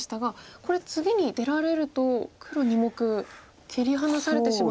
これ次に出られると黒２目切り離されてしまいますか？